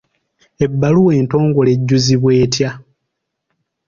Ebbaluwa entongole ejjuzibwa etya?